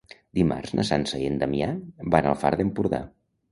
Dimarts na Sança i en Damià van al Far d'Empordà.